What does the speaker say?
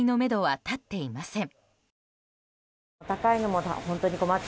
再開のめどは立っていません。